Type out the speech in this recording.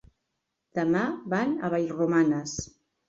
Demà van a Vallromanes.